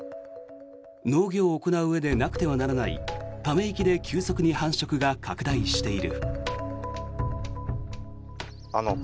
農業を行ううえでなくてはならないため池で急速に繁殖が拡大している。